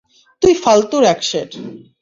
তুই ফালতুর একসের!